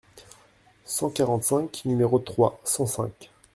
cent quarante-cinq, nº trois cent cinq).